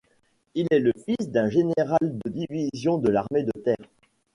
Il est le fils d'un général de division de l'armée de Terre.